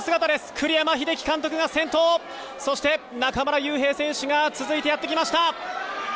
栗山英樹監督が先頭そして中村悠平選手が続いてやってきました。